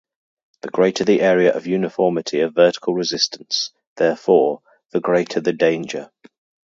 The greater the area of uniformity of vertical resistance, therefore, the greater the danger.